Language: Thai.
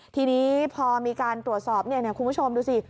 ทีนี้พอมีการตรวจสอบคุณผู้ชมดูสิ